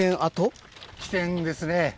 起点ですね。